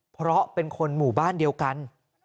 เพราะเป็นคนหมู่บ้านเดียวกัน